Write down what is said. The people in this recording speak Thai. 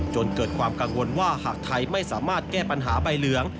จนเกิดความกังวลว่าหากไทยไม่สามารถแก้ปัญหาใบเหลือง